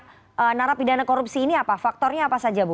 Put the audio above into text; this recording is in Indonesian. nah narapidana korupsi ini apa faktornya apa saja bu